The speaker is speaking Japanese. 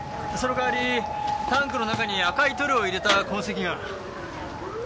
その代わりタンクの中に赤い塗料を入れた痕跡が。